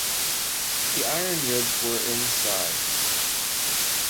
The iron ribs were in size.